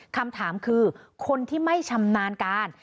คำถามคือคนที่ไม่ชำนาญการ